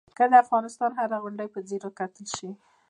که د افغانستان هره غونډۍ په ځیر وکتل شي.